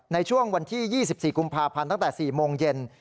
ในช่วงวันที่๒๔กุมภาพันธ์ตั้งแต่๔โมงเย็น